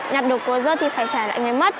nhặt đục cô giớt thì phải trả lại người mất